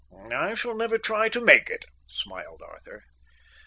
"I shall never try to make it," smiled Arthur.